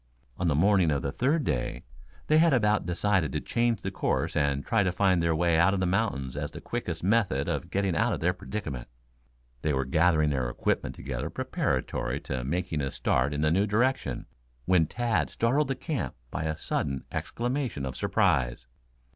On the morning of the third day they had about decided to change the course and try to find their way out of the mountains as the quickest method of getting out of their predicament. They were gathering their equipment together preparatory to making a start in the new direction, when Tad startled the camp by a sudden exclamation of surprise.